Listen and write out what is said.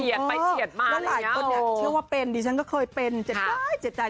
แล้วหลายคนอยากเชื่อว่าเป็นดิฉันก็เคยเป็นเจ็บใจเจ็บใจ